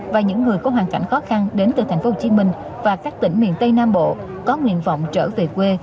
và những người có hoàn cảnh khó khăn đến từ thành phố hồ chí minh và các tỉnh miền tây nam bộ có nguyện vọng trở về quê